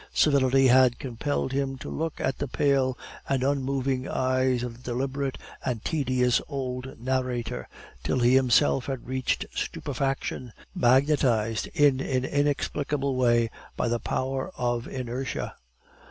Civility had compelled him to look at the pale and unmoving eyes of the deliberate and tedious old narrator, till he himself had reached stupefaction, magnetized in an inexplicable way by the power of inertia.